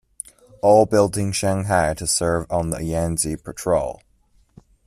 All built in Shanghai to serve on the Yangtze Patrol.